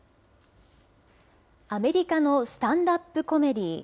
アメリカのスタンダップコメディ。